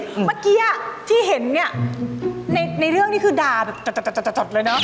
เมื่อกี้ที่เห็นเนี่ยในเรื่องนี้คือด่าแบบจัดเลยเนอะ